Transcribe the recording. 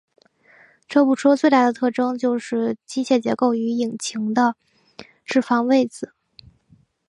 这部车最大的特征就是机械结构与引擎的置放位子。